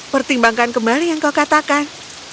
pertimbangkan kembali yang kau katakan